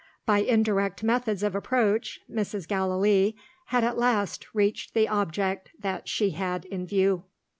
By indirect methods of approach, Mrs. Gallilee had at last reached the object that she had in view.